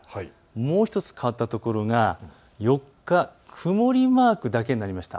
もう１つ変わったところが４日、曇りマークだけになりました。